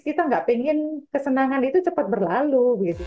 kita nggak pengen kesenangan itu cepat berlalu